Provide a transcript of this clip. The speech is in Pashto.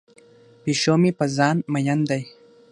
پیشو مې په ځان مین دی.